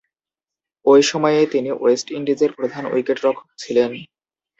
ঐ সময়ে তিনি ওয়েস্ট ইন্ডিজের প্রধান উইকেট-রক্ষক ছিলেন।